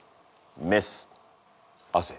メス。汗」。